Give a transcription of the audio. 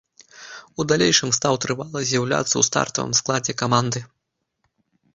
У далейшым стаў трывала з'яўляцца ў стартавым складзе каманды.